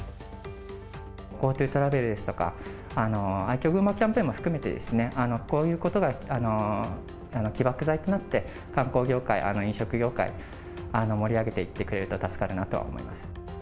ＧｏＴｏトラベルですとか、愛郷ぐんまキャンペーンも含めてこういうことが起爆剤となって、観光業界、飲食業界、盛り上げていってくれると助かるなと思います。